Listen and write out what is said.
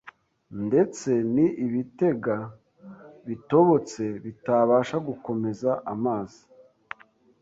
ndetse ni ibitega bitobotse bitabasha gukomeza amazi